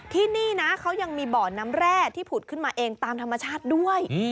ที่นี่นะเขายังมีบ่อน้ำแร่ที่ผุดขึ้นมาเองตามธรรมชาติด้วย